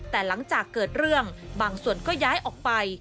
แต่หลังจากเกิดเรื่องบางส่วนก็ย้ายออกไป